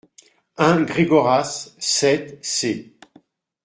un Gregoras, sept, c.